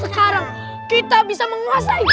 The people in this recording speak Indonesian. sekarang kita bisa menguasai